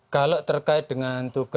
kalau terkait dengan tugas iktp ya